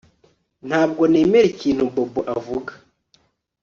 Ntabwo nemera ikintu Bobo avuga